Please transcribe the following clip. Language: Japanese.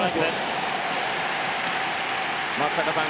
松坂さん